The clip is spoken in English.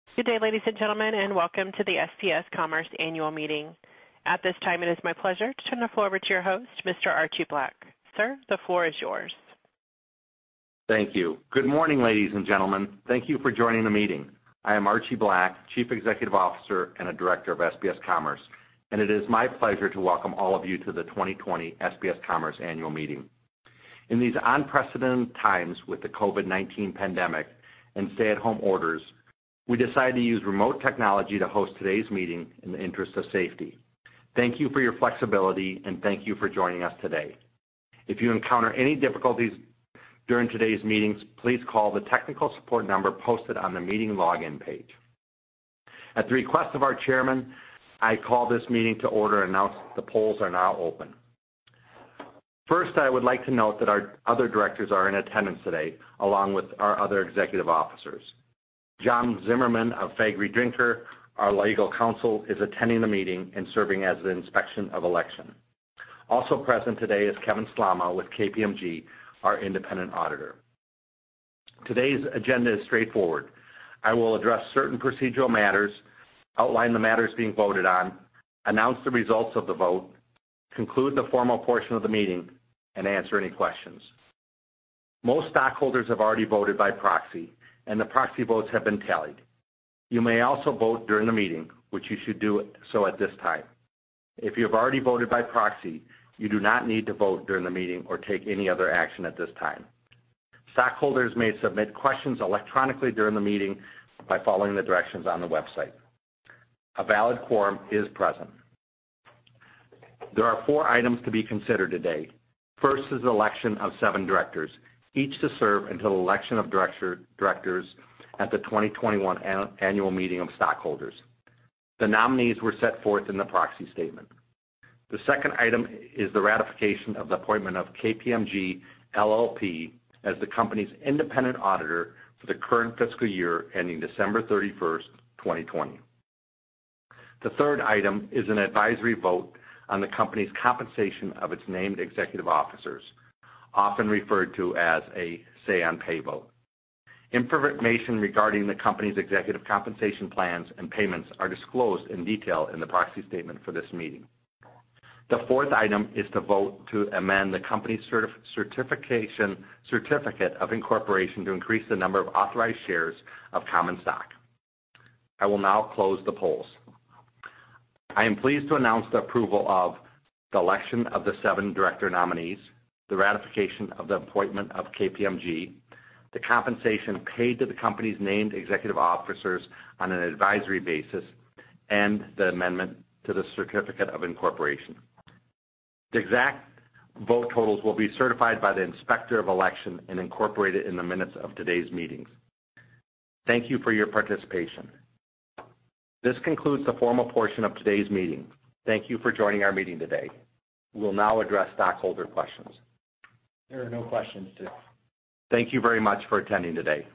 Good day, ladies and gentlemen, welcome to the SPS Commerce Annual Meeting. At this time, it is my pleasure to turn the floor over to your host, Mr. Archie Black. Sir, the floor is yours. Thank you. Good morning, ladies and gentlemen. Thank you for joining the meeting. I am Archie Black, Chief Executive Officer and a director of SPS Commerce, and it is my pleasure to welcome all of you to the 2020 SPS Commerce Annual Meeting. In these unprecedented times with the COVID-19 pandemic and stay-at-home orders, we decided to use remote technology to host today's meeting in the interest of safety. Thank you for your flexibility and thank you for joining us today. If you encounter any difficulties during today's meetings, please call the technical support number posted on the meeting login page. At the request of our chairman, I call this meeting to order and announce the polls are now open. First, I would like to note that our other directors are in attendance today, along with our other executive officers. John Zimmerman of Faegre Drinker, our legal counsel, is attending the meeting and serving as an inspection of election. Also present today is Kevin Slama with KPMG, our independent auditor. Today's agenda is straightforward. I will address certain procedural matters, outline the matters being voted on, announce the results of the vote, conclude the formal portion of the meeting, and answer any questions. Most stockholders have already voted by proxy, and the proxy votes have been tallied. You may also vote during the meeting, which you should do so at this time. If you have already voted by proxy, you do not need to vote during the meeting or take any other action at this time. Stockholders may submit questions electronically during the meeting by following the directions on the website. A valid quorum is present. There are four items to be considered today. First is election of seven directors, each to serve until election of directors at the 2021 Annual Meeting of Stockholders. The nominees were set forth in the proxy statement. The second item is the ratification of the appointment of KPMG LLP as the company's independent auditor for the current fiscal year ending December 31st, 2020. The third item is an advisory vote on the company's compensation of its named executive officers, often referred to as a say on pay vote. Information regarding the company's executive compensation plans and payments are disclosed in detail in the proxy statement for this meeting. The fourth item is to vote to amend the company's certificate of incorporation to increase the number of authorized shares of common stock. I will now close the polls. I am pleased to announce the approval of the election of the seven director nominees, the ratification of the appointment of KPMG, the compensation paid to the company's named executive officers on an advisory basis, and the amendment to the certificate of incorporation. The exact vote totals will be certified by the Inspector of Election and incorporated in the minutes of today's meetings. Thank you for your participation. This concludes the formal portion of today's meeting. Thank you for joining our meeting today. We will now address stockholder questions. There are no questions today. Thank you very much for attending today.